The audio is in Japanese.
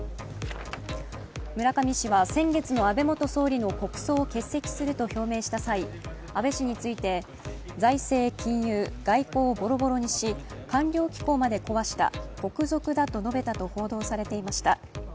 村上氏は先月の安倍元総理の国葬を欠席すると表明した際、安倍氏について、財政、金融、外交をぼろぼろにし官僚機構まで壊した国賊だと述べたと報道されていました。